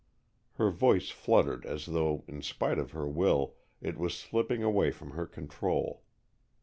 Her voice fluttered as though, in spite of her will, it was slipping away from her control.